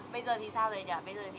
bây giờ thì sao rồi ạ